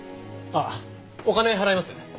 あっお金払います。